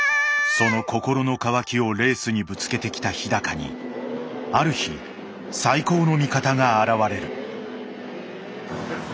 その心の渇きをレースにぶつけてきた日高にある日最高の味方が現れる。